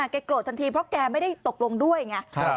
โกรธทันทีเพราะแกไม่ได้ตกลงด้วยไง